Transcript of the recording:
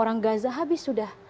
orang gaza habis sudah